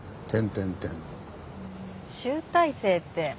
集大成って。